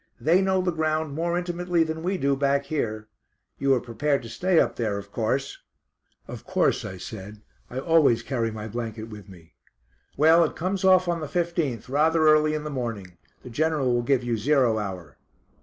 They know the ground more intimately than we do back here. You are prepared to stay up there, of course?" "Of course," I said. "I always carry my blanket with me." "Well it comes off on the fifteenth, rather early in the morning. The General will give you zero hour."